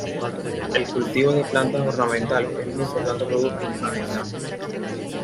El cultivo de plantas ornamentales es un importante producto para venta nacional y exportación.